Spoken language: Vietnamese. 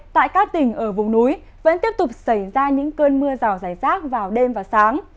tại các tỉnh ở vùng núi vẫn tiếp tục xảy ra những cơn mưa rào rải rác vào đêm và sáng